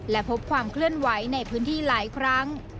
และพบความเคลื่อนไหวในพื้นที่หลายครั้ง